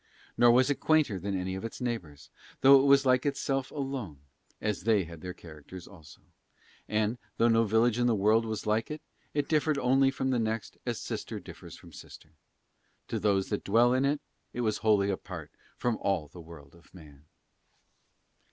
Nor was it quainter than any of its neighbours, though it was like itself alone, as they had their characters also; and, though no village in the world was like it, it differed only from the next as sister differs from sister. To those that dwelt in it, it was wholly apart from all the world of man.